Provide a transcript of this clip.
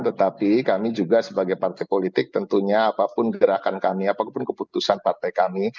tetapi kami juga sebagai partai politik tentunya apapun gerakan kami apapun keputusan partai kami